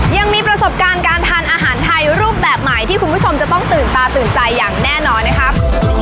ยังมีประสบการณ์การทานอาหารไทยรูปแบบใหม่ที่คุณผู้ชมจะต้องตื่นตาตื่นใจอย่างแน่นอนนะครับ